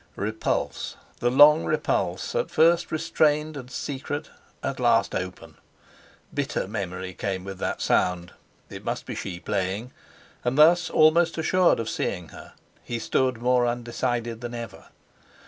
Repulse! The long repulse, at first restrained and secret, at last open! Bitter memory came with that sound. It must be she playing, and thus almost assured of seeing her, he stood more undecided than ever.